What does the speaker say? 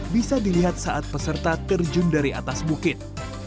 bisa dilihat saat peserta terjun dari atas bukit